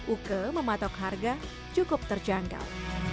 uke mematok harga cukup terjangkau